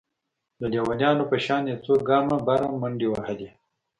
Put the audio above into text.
د ليونيانو په شان يې څو ګامه بره منډې وهلې.